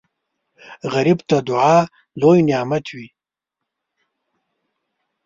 غریب ته دعا لوی نعمت وي